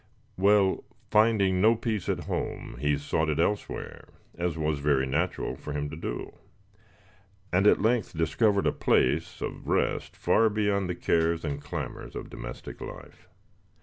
Well, finding no peace at home, he sought it elsewhere, as was very natural for him to do; and at length discovered a place of rest far beyond the cares and clamors of domestic life.